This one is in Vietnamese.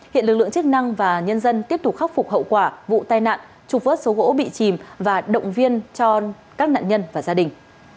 hiện lực lượng chức năng và nhân dân tiếp tục khắc phục hậu quả vụ tai nạn trục vớt số gỗ bị chìm và động viên cho các nạn nhân và gia đình